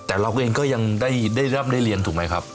แต่เราเองก็ยังได้รับได้เรียนถูกไหมครับ